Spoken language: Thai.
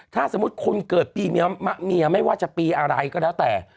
ถ้าสมมุติคุณเกิดปีเมียไม่ว่าจะปีอะไรก็แล้วแต่